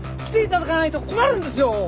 来て頂かないと困るんですよ！